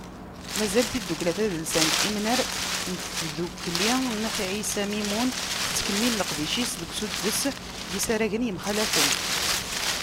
Mazal tidukkla tadelsant Imnar n Tdukli n At Ɛisa Mimun, tettkemmil leqdic-is deg usuddes n yisaragen yemxalafen.